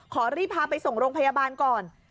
รีบพาไปส่งโรงพยาบาลก่อน